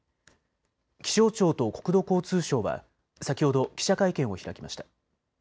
気象庁と国土交通省は先ほど、記者会見を開きました。